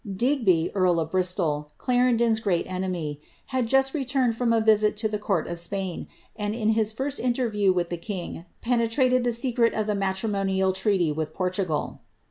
Digby, earl of Bristol, Clarendon^s great enemy, had just returned from a visit to the court of Spain, and in his first interview with the king, peoeliated the secret of the matrimonial treaty with Portugal.